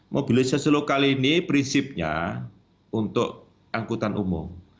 mobilisasi lokal ini prinsipnya untuk angkutan umum